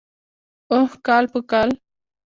اوح کال په کال.